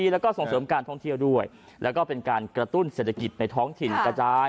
และจะกระตุ้นเศรษฐกิจในท้องถิ่นกระจาย